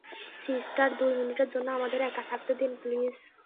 Sister, দুই মিনিটের জন্য আমাদের একা থাকতে দিন, প্লিজ।